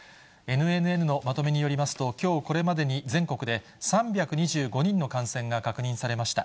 ＮＮＮのまとめによりますと、きょうこれまでに、全国で３２５人の感染が確認されました。